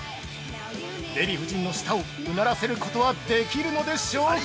デヴィ夫人の舌をうならせることはできるのでしょうか？